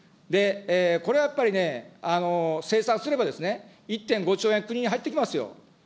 これはやっぱりね、せいさんすれば１．５兆円国に入ってきますよ。